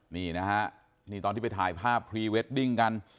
นี่นะฮะนี่ตอนที่ไปถ่ายภาพพรีเวดดิ้งกัน